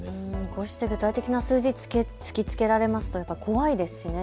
こうして具体的な数字を突きつけられますと、やっぱり怖いですね。